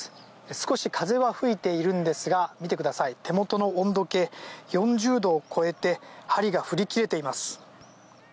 少し風は吹いているんですが見てください、手元の温度計４０度を超えて針が振り切れています。